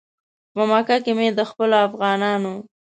په مکه کې مې د خپلو افغانانو.